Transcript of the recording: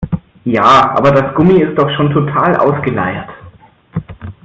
Ja, aber das Gummi ist doch schon total ausgeleiert.